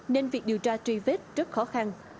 nên việc điều tra truy vết rất khó khăn